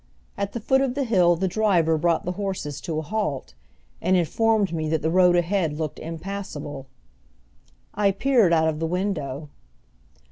At the foot of the hill the driver brought the horses to a halt, and informed me that the road ahead looked impassable. I peered out of the window.